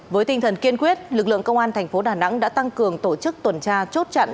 với tinh thần kiên quyết lực lượng công an thành phố đà nẵng đã tăng cường tổ chức tuần tra chốt chặn